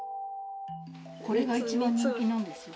これが一番人気なんですよ。